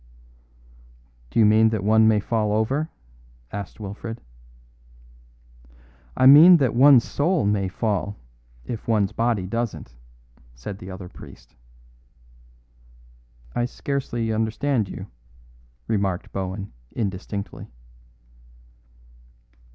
"Do you mean that one may fall over," asked Wilfred. "I mean that one's soul may fall if one's body doesn't," said the other priest. "I scarcely understand you," remarked Bohun indistinctly.